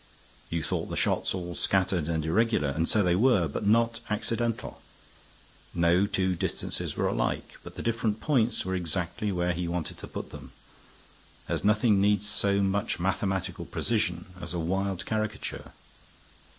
You thought the shots all scattered and irregular, and so they were; but not accidental. No two distances were alike; but the different points were exactly where he wanted to put them. There's nothing needs such mathematical precision as a wild caricature.